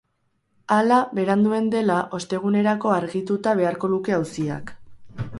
Hala, beranduen dela, ostegunerako argituta beharko luke auziak.